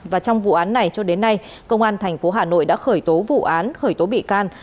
và trong vụ án này cho đến nay công an tp hà nội đã khởi tố vụ án khởi tố bị can